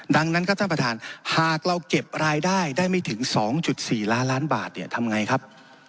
ดังนั้นครับท่านประธานหากเราเก็บรายได้ได้ไม่ถึง๒๔ล้านล้านบาทเนี่ยทำไงครับ